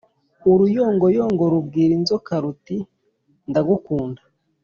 uruyongoyongo rubwira inzoka, ruti ndagukunda